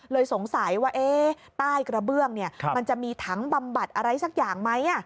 สงสัยว่าใต้กระเบื้องมันจะมีถังบำบัดอะไรสักอย่างไหม